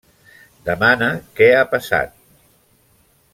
Demana què ha passat.